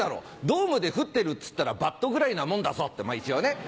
ドームでフッてるっつったらバットぐらいなもんだぞ」ってまぁ一応ね。